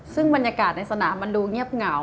ซึ่งบรรยากาศในสนามมันดูเงียบเหงา